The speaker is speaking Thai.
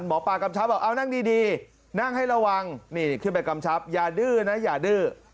หมอปลากำชับบอกเอานั่งดีนั่งให้ระวังนี่ขึ้นไปกำชับอย่าดื้อนะอย่าดื้อ